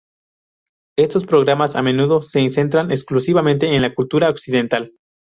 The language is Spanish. Estos programas a menudo se centran exclusivamente en la cultura occidental.